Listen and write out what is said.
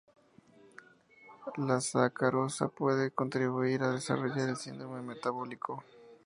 La sacarosa puede contribuir a desarrollar el síndrome metabólico.